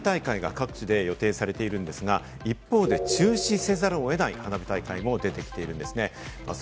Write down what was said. こうした花火大会が各地で予定されているんですが、一方で中止せざるを得ない花火大会も出てきているんですね。